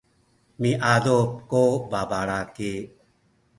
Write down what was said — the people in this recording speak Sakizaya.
miadup ku babalaki.